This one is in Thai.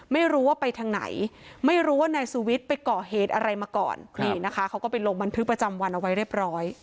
ไม่รู้ว่าไปทางไหนไม่รู้ว่านายสุวิทย์ไปก่อเหตุอะไรมาก่อนนี่นะคะเขาก็ไปลงบันทึกประจำวันเอาไว้เรียบร้อย